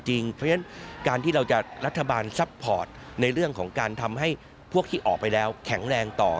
เพราะฉะนั้นการที่เราจะรัฐบาลซัพพอร์ตในเรื่องของการทำให้พวกที่ออกไปแล้วแข็งแรงต่อ